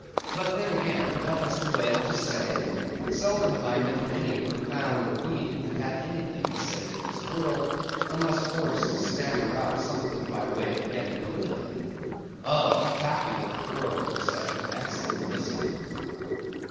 But then again, what has the whale to say? Seldom have I known any profound being that had anything to say to this world, unless forced to stammer out something by way of getting a living. Oh! happy that the world is such an excellent listener!